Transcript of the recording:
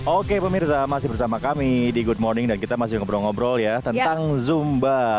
oke pemirsa masih bersama kami di good morning dan kita masih ngobrol ngobrol ya tentang zumba